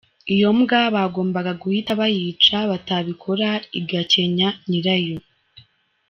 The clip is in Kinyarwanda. Iyo mbwa bagombaga guhita bayica batabikora igakenya nyirayo.